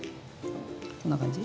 こんな感じ。